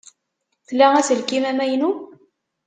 Tla aselkim amaynu?